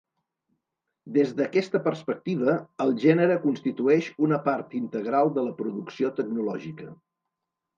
Des d’aquesta perspectiva, el gènere constitueix una part integral de la producció tecnològica.